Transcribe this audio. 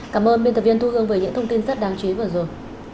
cảm ơn biên tập viên thu hương với những thông tin rất đáng chí vừa rồi